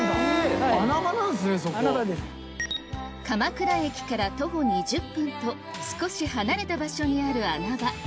鎌倉駅から徒歩２０分と少し離れた場所にある穴場